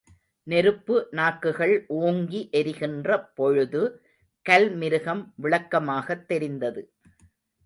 நெருப்பு நாக்குகள் ஓங்கி எரிகின்றபொழுது, கல்மிருகம் விளக்கமாகத் தெரிந்தது.